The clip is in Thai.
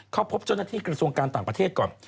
เข้าพบเจ้าหน้าที่กระทรวงการต่างประเทศก่อน